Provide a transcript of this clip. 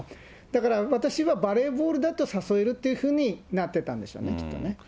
だから私は、バレーボールだと誘えるっていうふうになってたんでしょうね、きっとね。